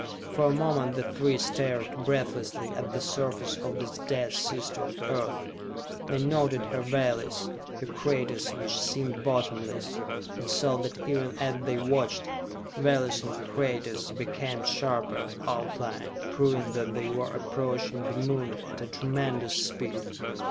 For a moment the three stared breathlessly at the surface of this dead sister of the Earth. They noted her valleys, her craters which seemed bottomless, and saw that even as they watched, valleys and craters became sharper of outline, proving that they were approaching the Moon at a tremendous speed.